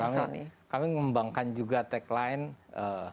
kami juga mengembangkan tagline